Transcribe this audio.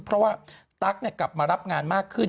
เพราะว่าตั๊กกลับมารับงานมากขึ้น